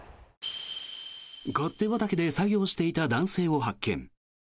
勝手畑で作業していた男性を発見。